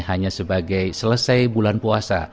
hanya sebagai selesai bulan puasa